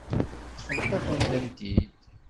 Ṭṭfent-akent-tent-id.